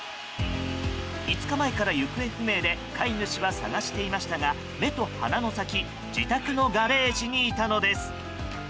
５日前から行方不明で飼い主は捜していましたが目と鼻の先自宅のガレージにいたのです。